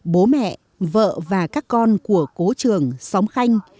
bố mẹ vợ và các con của cố trường xóm khanh